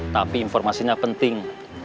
tapi informasinya penting